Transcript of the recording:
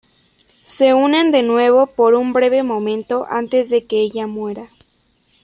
Se unen de nuevo por un breve momento antes de que ella muera.